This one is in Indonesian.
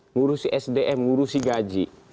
ngurusi sdm ngurusi gaji